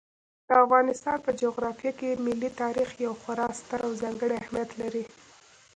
د افغانستان په جغرافیه کې ملي تاریخ یو خورا ستر او ځانګړی اهمیت لري.